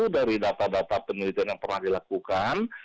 dari data data penelitian yang pernah dilakukan